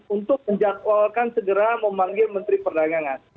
untuk menjadwalkan segera memanggil menteri perdagangan